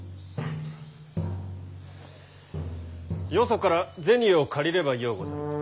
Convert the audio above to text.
よそから銭を借りればようござる。